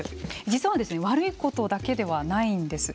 実は悪いことだけでないんです。